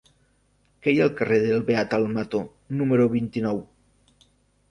Què hi ha al carrer del Beat Almató número vint-i-nou?